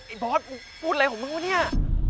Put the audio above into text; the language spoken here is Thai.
ไอ้บอสพูดอะไรของมึงวะเนี่ย